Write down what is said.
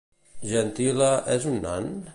Jentila és un nan?